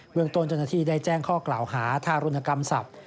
เมืองต้นเจ้าหน้าที่ได้แจ้งข้อกล่าวหาทารุณกรรมศัพท์